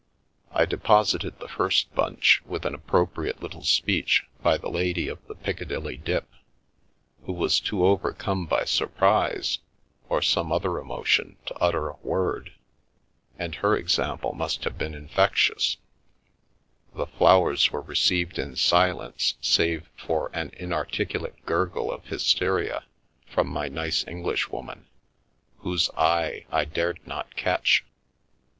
I deposited the first bunch, with an appropriate little speech, by the lady of the Piccadilly dip, who was too overcome by surprise, or some other emotion, to utter a word, and her example must have been infectious — the flowers were received in silence — save for an inarticulate gurgle of hysteria from my nice Englishwoman, whose eye I dared not catch.